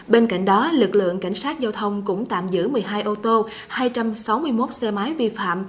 bên cạnh đó lực lượng cảnh sát giao thông cũng tạm giữ một mươi hai ô tô hai trăm sáu mươi một xe máy vi phạm